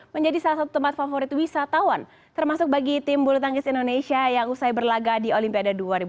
menjadi salah satu tempat favorit wisatawan termasuk bagi tim bulu tangkis indonesia yang usai berlaga di olimpiade dua ribu dua puluh